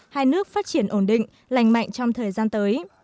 hai nước phát triển ổn định lành mạnh trong thời gian tới